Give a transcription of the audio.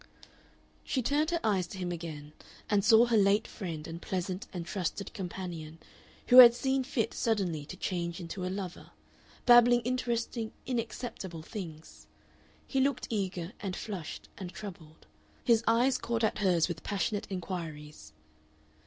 She turned her eyes to him again, and saw her late friend and pleasant and trusted companion, who had seen fit suddenly to change into a lover, babbling interesting inacceptable things. He looked eager and flushed and troubled. His eyes caught at hers with passionate inquiries.